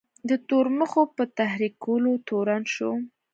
د تورمخو په تحریکولو تورن شو.